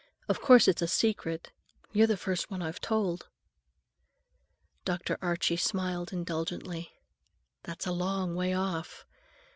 Of course it's a secret. You're the first one I've told." Dr. Archie smiled indulgently. "That's a long way off.